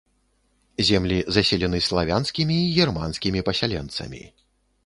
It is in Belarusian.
Землі заселены славянскімі і германскімі пасяленцамі.